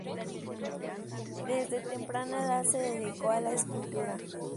Desde temprana edad se dedicó a la escultura.